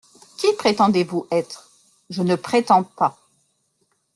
—Qui prétendez-vous être ? —Je ne prétends pas.